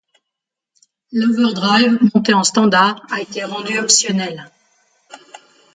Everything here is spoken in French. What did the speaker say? L'overdrive monté en standard a été rendu optionnel.